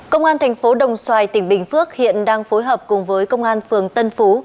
công an thành phố đồng xoài tỉnh bình phước hiện đang phối hợp cùng với công an phường tân phú